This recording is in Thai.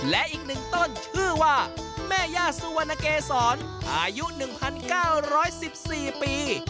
และอีก๑ต้นชื่อว่าแม่ย่าสุวรรณเกษรอายุ๑๙๑๔ปี